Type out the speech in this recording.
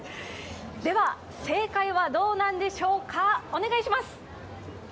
では正解はどうなんでしょうか。